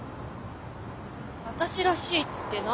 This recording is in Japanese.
私らしいって何だろう。